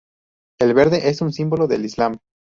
El verde es un símbolo del Islam.